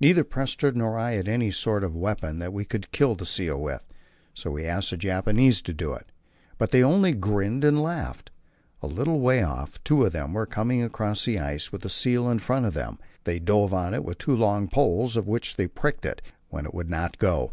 Neither Prestrud nor I had any sort of weapon that we could kill the seal with, so we asked the Japanese to do it, but they only grinned and laughed. A little way off two of them were coming across the ice with a seal in front of them; they drove it on with two long poles, with which they pricked it when it would not go.